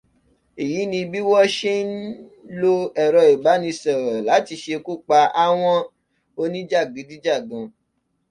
Èyí ni bí wọ́n ṣe n lo ẹ̀rọ ìbánisọ̀rọ̀ lati ṣekú pa awọn oníjàgídíjàgan.